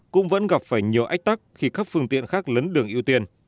cũng vẫn gặp phải nhiều ách tắc khi các phương tiện khác lấn đường ưu tiên